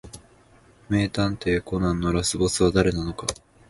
名探偵コナンのラスボスは誰なのか